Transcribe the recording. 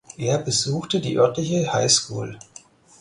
Er besuchte die örtliche High School.